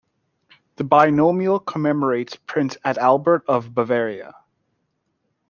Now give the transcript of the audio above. The binomial commemorates Prince Adalbert of Bavaria.